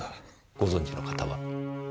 ご存じの方は？